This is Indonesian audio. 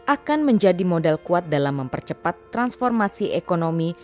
akan menjadi modal kuat dalam mempercepat transformasi ekonomi